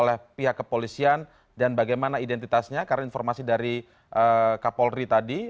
oleh pihak kepolisian dan bagaimana identitasnya karena informasi dari kapolri tadi